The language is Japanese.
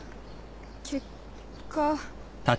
結果。